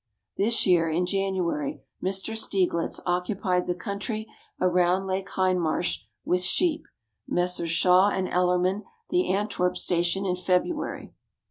This year, in January, Mr. Steiglitz occupied the country around Lake Hindraarsh with sheep ; Messrs. Shaw and Ellerman the Antwerp Station in February.